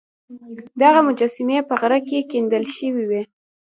دغه مجسمې په غره کې کیندل شوې وې